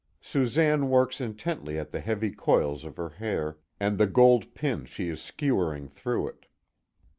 Susanne works intently at the heavy coils of her hair, and the gold pins she is skewering through it.